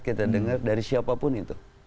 kita dengar dari siapapun itu